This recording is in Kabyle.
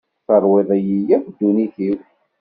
Terwiḍ-iyi akk ddunit-iw.